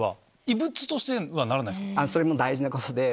それも大事なことで。